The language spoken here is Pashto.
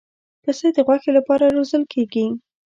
پسه د غوښې لپاره روزل کېږي.